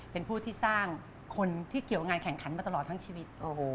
เป็นผู้ที่สร้างคนที่เกี่ยวงานแข่งขันมาตลอดทั้งชีวิต